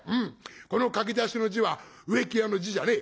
この書き出しの字は植木屋の字じゃねえ。